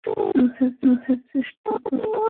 বোঝার চেষ্টা কর।